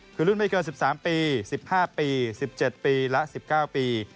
คือรุ่นไม่เกิน๑๓ปี๑๕ปี๑๗ปีและ๑๙ปี